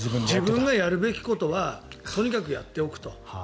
自分がやるべきことはとにかくやっておくと。